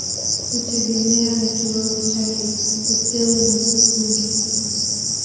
kutegemea na kiwango chake, upeo na kusudi.